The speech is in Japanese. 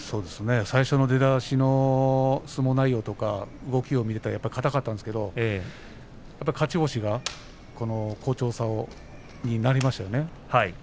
最初の出だしの相撲内容とか動きを見て硬かったんですが勝ち星が好調さにつながりましたね。